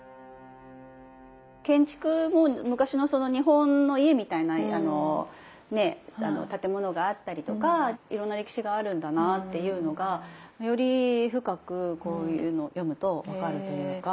建築も昔の日本の家みたいな建物があったりとかいろんな歴史があるんだなっていうのがより深くこういうのを読むと分かるというか。